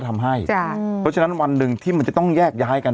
ทำงานครบ๒๐ปีได้เงินชดเฉยเลิกจ้างไม่น้อยกว่า๔๐๐วัน